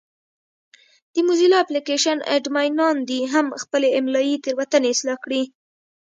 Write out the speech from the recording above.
د موزیلا اپلېکشن اډمینان دې هم خپلې املایي تېروتنې اصلاح کړي.